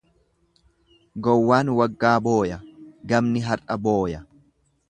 Gowwaan waggaa booya, gamni har'a booya.